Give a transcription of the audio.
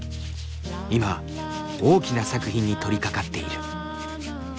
今大きな作品に取りかかっている。